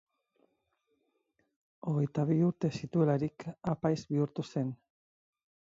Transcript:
Hogeita bi urte zituelarik apaiz bihurtu zen.